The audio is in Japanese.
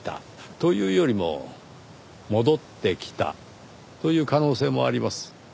というよりも戻ってきたという可能性もあります。